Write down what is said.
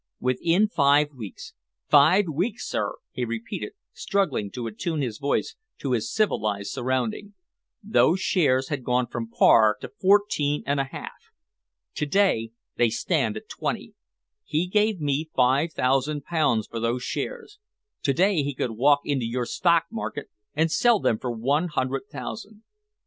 Within five weeks five weeks, sir," he repeated, struggling to attune his voice to his civilised surroundings, "those shares had gone from par to fourteen and a half. To day they stand at twenty. He gave me five thousand pounds for those shares. To day he could walk into your stock market and sell them for one hundred thousand.